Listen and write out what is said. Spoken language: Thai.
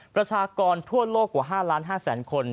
ประชากรทั่วโลกกว่า๕๕๐๐๐คน